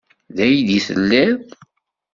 D aydi i telliḍ.